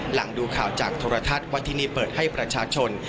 ดูข่าวจากโทรทัศน์ว่าที่นี่เปิดให้ประชาชน